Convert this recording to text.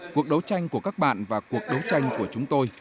cuộc đấu tranh của các bạn và cuộc đấu tranh của chúng tôi